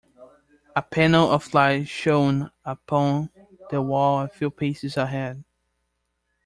A panel of light shone upon the wall a few paces ahead.